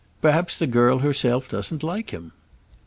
"Perhaps the girl herself doesn't like him."